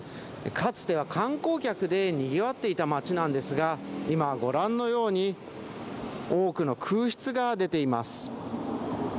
かつては観光客でにぎわっていた街なんですが今は御覧のように多くの空室が出ています。